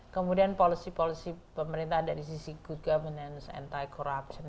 kemudian polusi polusi pemerintah dari sisi good governance anti corruption